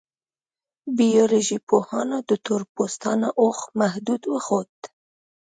بیولوژي پوهانو د تور پوستانو هوښ محدود وښود.